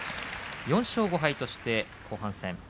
４勝５敗として後半戦。